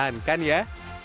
dan dipertahankan ya